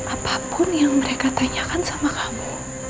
apapun yang mereka tanyakan sama kamu